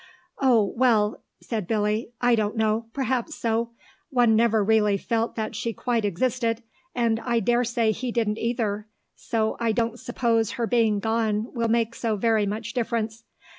"Oh, well," said Billy, "I don't know. Perhaps so.... One never really felt that she quite existed, and I daresay he didn't either, so I don't suppose her being gone will make so very much difference.